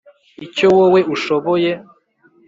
Icyo wowe ushoboye,